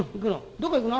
「どこ行くの？」。